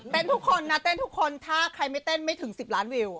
ทุกคนนะเต้นทุกคนถ้าใครไม่เต้นไม่ถึง๑๐ล้านวิว